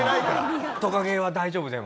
トカゲは大丈夫でも？